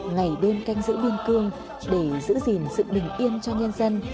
ngày đêm canh giữ biên cương để giữ gìn sự bình yên cho nhân dân